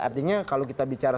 artinya kalau kita bicara